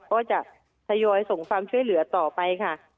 ก็จะทยอยส่งความช่วยเหลือต่อไปค่ะ